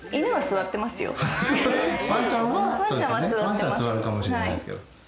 ワンちゃんは座るかもしれないですけど。